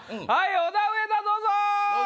オダウエダどうぞ！